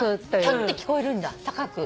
「キョ」って聞こえるんだ高く。